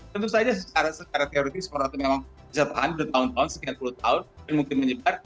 tentu saja secara teori spora itu memang bisa tahan dua tahun tahun sekian puluh tahun mungkin menyebar